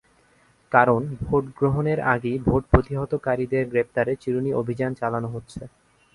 কারণ, ভোট গ্রহণের আগেই ভোট প্রতিহতকারীদের গ্রেপ্তারে চিরুনি অভিযান চালানো হচ্ছে।